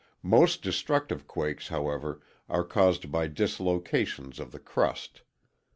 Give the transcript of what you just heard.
Most destructive quakes, however, are caused by dislocations of the crust.